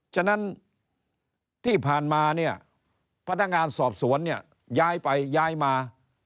ฉะนั้นที่ผ่านมาเนี่ยพนักงานสอบสวนเนี่ยย้ายไปย้ายมา